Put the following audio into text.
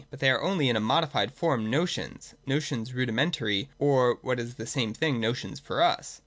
But they are only in a modified form notions (cp. §§ 84 and vi:j\ notions rudinunt.iry, or, what is the same thing, notions '(oy us.